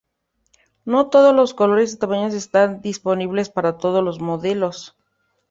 No todos los colores y tamaños están disponibles para todos los modelos.